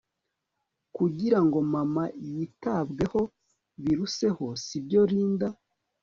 kugira ngo mama yitabweho biruseho sibyo Linda